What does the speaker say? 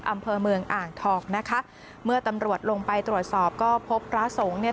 อำเภอเมืองอ่างทองนะคะเมื่อตำรวจลงไปตรวจสอบก็พบพระสงฆ์เนี่ย